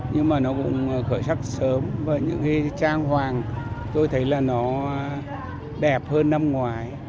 nhưng mà nó cũng khởi sắc sớm và những cái trang hoàng tôi thấy là nó đẹp hơn năm ngoái